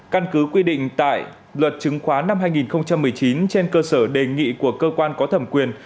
căn cứ quy định tại luật chứng khoán năm hai nghìn một mươi chín trên cơ sở đề nghị của cơ quan có thẩm quyền